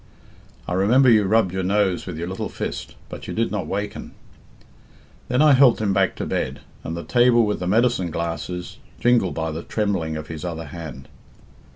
I remember you rubbed your nose with your little fist, but you did not waken. Then I helped him back to bed, and the table with the medicine glasses jingled by the trembling of his other hand.